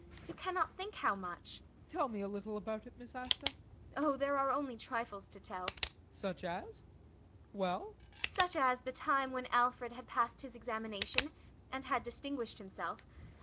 You cannot think how much. BORGHEIM. Tell me a little about it, Miss Asta. ASTA. Oh, there are only trifles to tell. BORGHEIM. Such as ? Well? ASTA. Such as the time when Alfred had passed his examination and had distinguished himself.